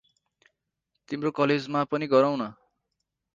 तिम्रो कलेजमा पनि गरौँ न ।